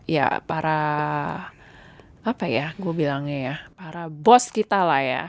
ya para apa ya gue bilangnya ya para bos kita lah ya